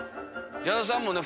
矢田さんもね